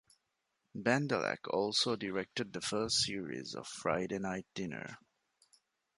Bendelack also directed the first series of "Friday Night Dinner".